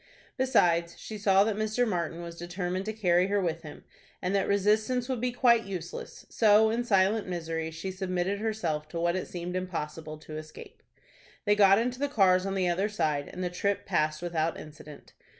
Besides, she saw that Mr. Martin was determined to carry her with him, and that resistance would be quite useless, so in silent misery she submitted herself to what it seemed impossible to escape. They got into the cars on the other side, and the trip passed without incident.